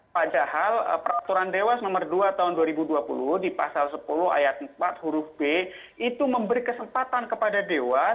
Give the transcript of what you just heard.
padahal peraturan dewas nomor dua tahun dua ribu dua puluh di pasal sepuluh ayat empat huruf b itu memberi kesempatan kepada dewas